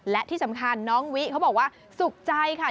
และที่สำคัญน้องวิเขาบอกว่าสุขใจค่ะ